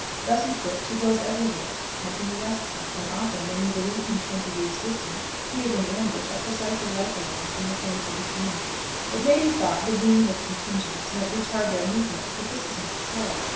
Thus equipped, he goes every where; nothing arrests him; and often, when we believe him twenty leagues distant, he is in ambush at precisely rifle range from the flanks of his enemy. "It may be thought the union of contingents might retard their movements, but this is not so.